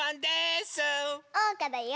おうかだよ！